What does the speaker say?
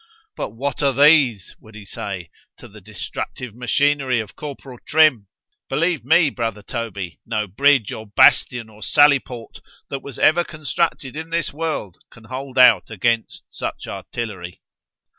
——But what are these, would he say, to the destructive machinery of corporal Trim?—Believe me, brother Toby, no bridge, or bastion, or sally port, that ever was constructed in this world, can hold out against such artillery.